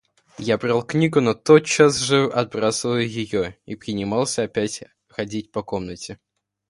Я брал книгу, но тотчас же отбрасывал её и принимался опять ходить по комнате.